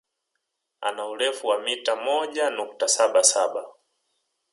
Ana urefu wa mita moja nukta saba saba